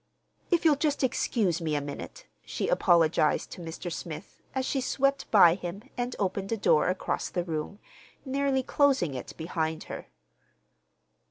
"If you'll just excuse me a minute," she apologized to Mr. Smith, as she swept by him and opened a door across the room, nearly closing it behind her.